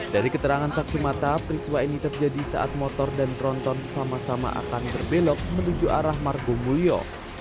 dari keterangan saksi mata periswa ini terjadi saat motor dan tronton sama sama akan berbelok menuju arah margomulyo